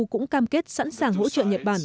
cũng cam kết sẵn sàng hỗ trợ nhật bản